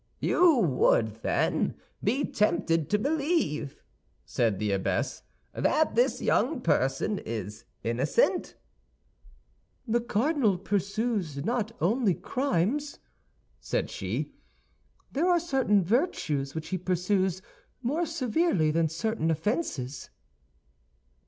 "You would, then, be tempted to believe," said the abbess, "that this young person is innocent?" "The cardinal pursues not only crimes," said she: "there are certain virtues which he pursues more severely than certain offenses."